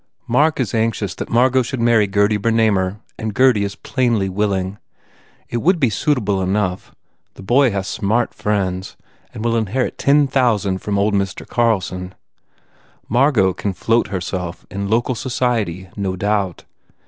Mark is anxious that Margot should marry Gurdy Ber namer and Gurdy is plainly willing. It would be suitable enough. The boy has smart friends 192 COSMO RAND and will inherit 10,000 from old Mr. Carlson. Margot can float herself in local society no doubt.